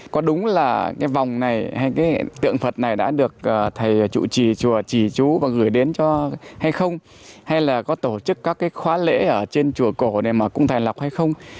có đúng là cái vòng này hay cái tượng phật này đã được thầy chủ trì chùa trì trú và gửi đến cho hay không hay là có tổ chức các cái khóa lễ ở trên chùa cổ này mà cũng thành lọc hay không